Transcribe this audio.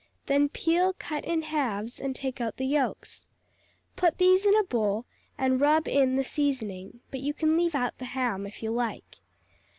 Then peel, cut in halves and take out the yolks. Put these in a bowl, and rub in the seasoning, but you can leave out the ham if you like.